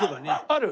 ある？